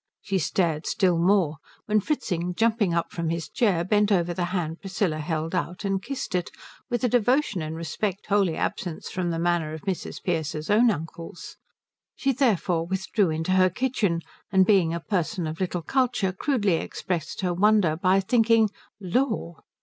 She stared still more when Fritzing, jumping up from his chair, bent over the hand Priscilla held out and kissed it with a devotion and respect wholly absent from the manner of Mrs. Pearce's own uncles. She, therefore, withdrew into her kitchen, and being a person of little culture crudely expressed her wonder by thinking "Lor."